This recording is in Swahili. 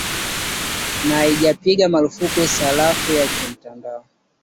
na haijapiga marufuku sarafu ya kimtandao